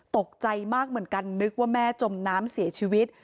ตกใจมากเหมือนกันนึกว่าแม่จมน้ำเสียชีวิต